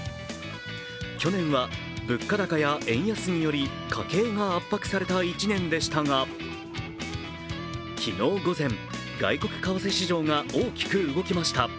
去年は物価高や円安により家計が圧迫された１年でしたが、昨日午前、外国為替市場が大きく動きました。